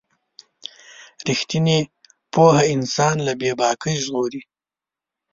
رښتینې پوهه انسان له بې باکۍ ژغوري.